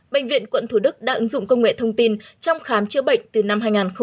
bệnh viện quận thủ đức đã ứng dụng công nghệ thông tin trong khám chữa bệnh từ năm hai nghìn tám